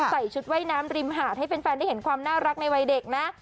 ใส่ชุดว่ายน้ำริมหาดให้แฟนได้เห็นความน่ารักในวัยเด็กนะ